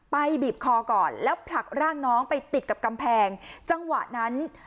บีบคอก่อนแล้วผลักร่างน้องไปติดกับกำแพงจังหวะนั้น